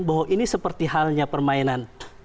bahwa ini seperti halnya permainan